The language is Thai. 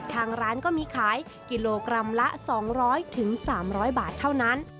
ทางร้านก็มีขายกิโลกรัมละ๒๐๐๓๐๐บาทเท่านั้น